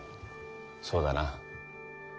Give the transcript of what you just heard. そうだな。